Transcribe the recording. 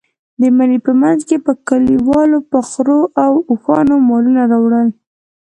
د مني په منځ کې به کلیوالو په خرو او اوښانو مالونه راوړل.